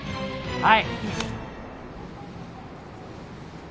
はい。